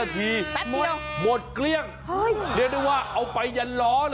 แป๊บเดียวหมดเกลี้ยงเดี๋ยวนึกว่าเอาไปยันล้อเหรอ